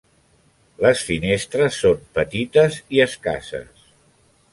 Les finestres són petites i escasses.